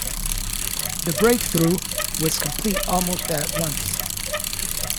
The break through was complete almost at once.